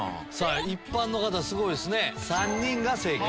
一般の方すごいですね。